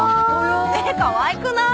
えっかわいくない？